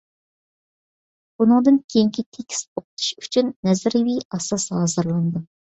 بۇنىڭدىن كېيىنكى تېكىست ئوقۇتۇشى ئۈچۈن نەزەرىيىۋى ئاساس ھازىرلىنىدۇ.